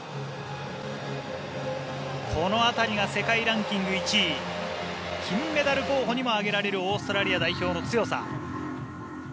この辺りが世界ランキング１位金メダル候補にも挙げられるオーストラリア代表の強さ。